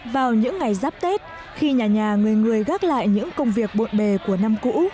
vào những ngày giáp tết khi nhà nhà người người gác lại những công việc bộn bề của năm cũ